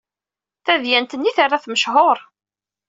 Tadyant-nni terra-t mechuṛ.